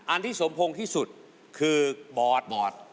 อันที่สมพงษ์ที่สุดคือบอส